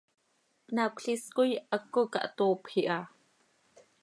Pnaacöl is coi haptco cahtoopj iha.